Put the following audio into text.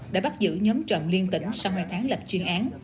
đã bắt giữ nhóm trộm liên tỉnh sau hai tháng lập chuyên án